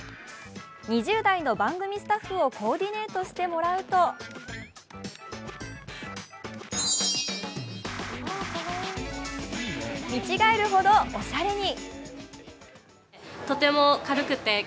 ２０代の番組スタッフをコーディネートしてもらうと見違えるほどおしゃれに。